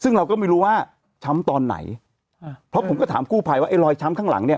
ซึ่งเราก็ไม่รู้ว่าช้ำตอนไหนอ่าเพราะผมก็ถามกู้ภัยว่าไอ้รอยช้ำข้างหลังเนี่ย